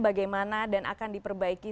bagaimana dan akan diperbaiki